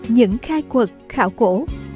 những khai quật khảo cổ